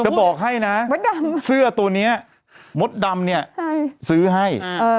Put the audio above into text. เจ้าบอกให้นะเสื้อตัวนี้มดดำเนี่ยซื้อให้